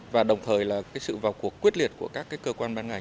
và đồng thời là sự vào cuộc quyết liệt của các cơ quan ban ngành